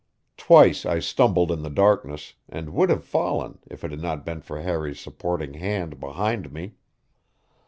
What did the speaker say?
Twice I stumbled in the darkness, and would have fallen if it had not been for Harry's supporting hand behind me.